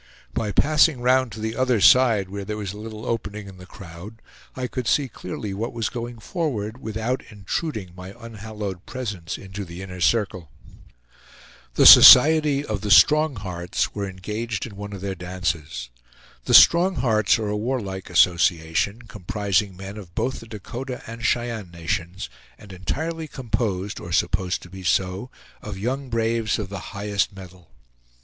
By passing round to the other side, where there was a little opening in the crowd, I could see clearly what was going forward, without intruding my unhallowed presence into the inner circle. The society of the "Strong Hearts" were engaged in one of their dances. The Strong Hearts are a warlike association, comprising men of both the Dakota and Cheyenne nations, and entirely composed, or supposed to be so, of young braves of the highest mettle.